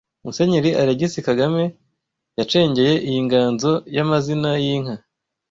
Musenyeri Alegisi Kagame yacengeye iyi nganzo y’amazina y’inka